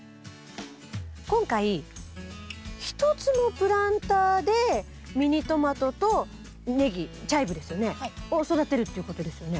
今回１つのプランターでミニトマトとネギチャイブですよねを育てるっていうことですよね？